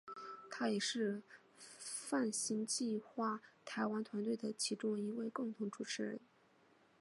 他也是泛星计画台湾团队的其中一位共同主持人。